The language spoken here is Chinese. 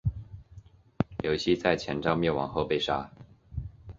刘熙在前赵灭亡后被杀。